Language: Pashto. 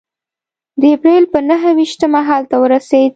د اپرېل په نهه ویشتمه هلته ورسېد.